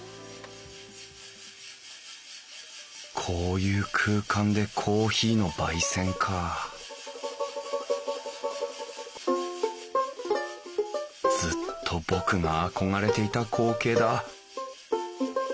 こういう空間でコーヒーの焙煎かずっと僕が憧れていた光景だ。